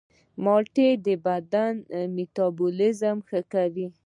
مالټې د بدن میتابولیزم ښه کوي.